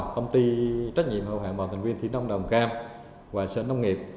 công ty trách nhiệm hữu hạn một thành viên thủy nông đồng cam và sở nông nghiệp